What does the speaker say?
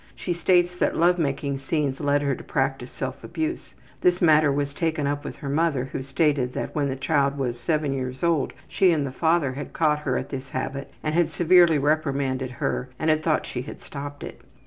She states that love making scenes lead her to practice self abuse. This matter was taken up with her mother who stated that when this child was 7 years old she and the father had caught her at this habit and had severely reprimanded her and had thought she had stopped it.